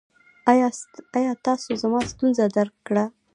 ایا تاسو زما ستونزه درک کړه؟